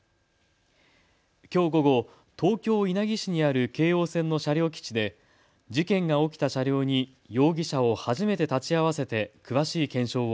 きょう午後、東京稲城市にある京王線の車両基地で事件が起きた車両に容疑者を初めて立ち会わせて詳しい検証を